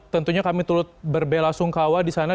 tentunya kami turut berbela sungkawa di sana